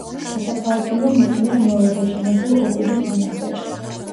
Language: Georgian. დასაფლავებულია მის მიერ მეორედ აშენებულ ოპიზის მონასტერში.